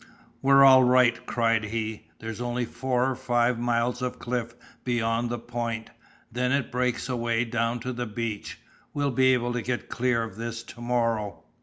"We're all right," cried he, "there's only four or five miles of cliff beyond the point, then it breaks away down to the beach. We'll be able to get clear of this to morrow."